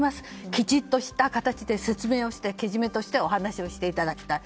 きちっとした形で説明として、けじめとしてお話をしていただきたい。